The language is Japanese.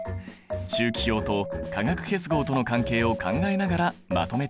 周期表と化学結合との関係を考えながらまとめていこう。